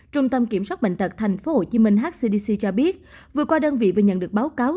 trung tâm kiểm soát bệnh tật tp hcm hcdc cho biết vừa qua đơn vị vừa nhận được báo cáo